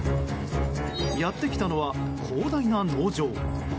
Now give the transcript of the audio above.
やってきたのは広大な農場。